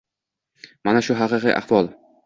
Mana shu haqiqiy ahvol.